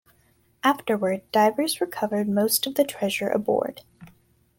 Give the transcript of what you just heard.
Afterward, divers recovered most of the treasure aboard.